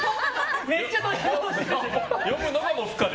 めっちゃドヤ顔してる。